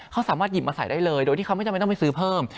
เขาสามารถหยิบมาใส่ได้เลยโดยที่เขาไม่จำเป็นต้องไปซื้อเพิ่ม